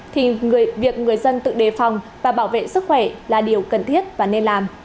thì việc người dân tự đề phòng và bảo vệ sức khỏe là điều cần thiết và nên làm